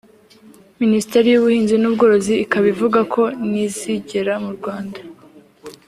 Minisiteri y’ ubuhinzi n’ ubworozi ikaba ivuga ko nizigera mu Rwanda